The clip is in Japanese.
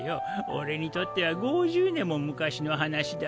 俺にとっては５０年も昔の話だ。